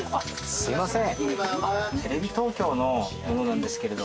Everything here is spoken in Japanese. すみません。